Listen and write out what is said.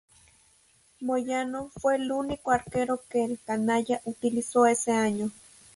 Moyano fue el único arquero que el "canalla" utilizó ese año.